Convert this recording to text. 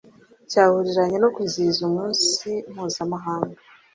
cyahuriranye no kwizihiza Umunsi Mpuzamahanga